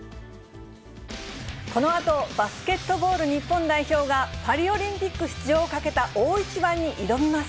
このあと、バスケットボール日本代表が、パリオリンピック出場をかけた大一番に挑みます。